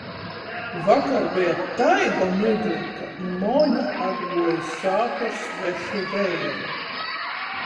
Vakar beja taida mygla, ka Moņa atguoja iz sātu ar svešu veiru...